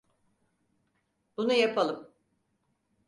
Bunu yapalım.